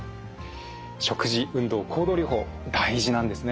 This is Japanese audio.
食事運動行動療法大事なんですね。